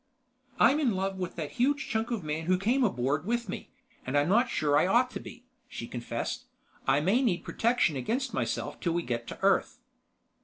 "I'm in love with that huge chunk of man who came aboard with me, and I'm not sure I ought to be," she confessed. "I may need protection against myself till we get to Earth."